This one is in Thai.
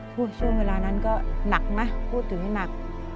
ช่วงเวลานั้นก็หนักนะพูดถึงหนัก